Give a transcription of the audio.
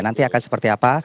nanti akan seperti apa